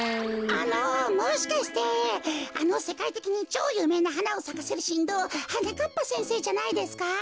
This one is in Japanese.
あのもしかしてあのせかいてきにちょうゆうめいなはなをさかせるしんどうはなかっぱせんせいじゃないですか？